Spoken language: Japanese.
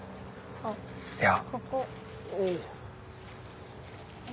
いや。